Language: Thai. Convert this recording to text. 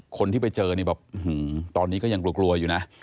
คนที่ไปเจอนี่แบบตอนนี้ก็ยังกลัวอยู่นะ